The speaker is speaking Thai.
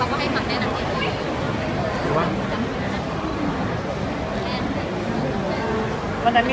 ช่องความหล่อของพี่ต้องการอันนี้นะครับ